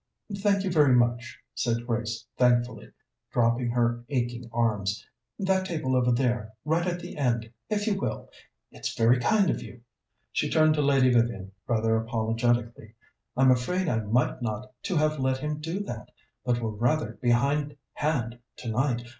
"Thank you very much," said Grace thankfully, dropping her aching arms. "That table over there, right at the end, if you will. It's very kind of you." She turned to Lady Vivian rather apologetically. "I'm afraid I ought not to have let him do that, but we're rather behindhand tonight.